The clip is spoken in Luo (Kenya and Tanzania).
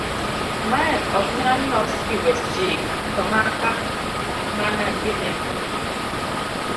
mae ok nyal los gi lwet chik to maka mana gi rieko